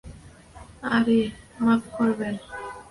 আরে, মাফ করবেন।